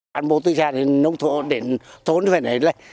thành tích được công nhận